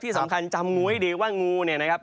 สำคัญจำงูให้ดีว่างูเนี่ยนะครับ